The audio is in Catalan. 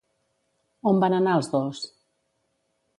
On van anar els dos?